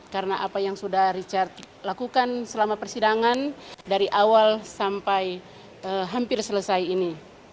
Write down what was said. karena apa yang sudah richard lakukan selama persidangan dari awal sampai hampir selesai ini